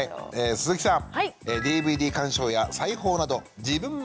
鈴木さん。